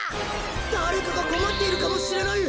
だれかがこまっているかもしれない。